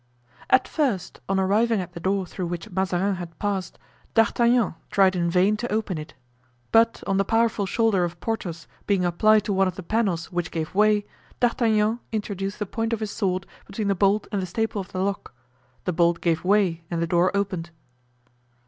At first, on arriving at the door through which Mazarin had passed, D'Artagnan tried in vain to open it, but on the powerful shoulder of Porthos being applied to one of the panels, which gave way, D'Artagnan introduced the point of his sword between the bolt and the staple of the lock. The bolt gave way and the door opened.